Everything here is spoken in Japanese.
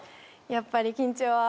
やっぱり緊張は。